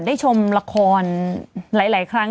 ได้ชมละครหลายครั้ง